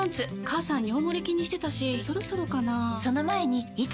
母さん尿モレ気にしてたしそろそろかな菊池）